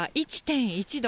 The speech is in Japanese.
１．１度。